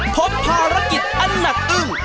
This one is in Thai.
พบภารกิจอันหนักอึ้ง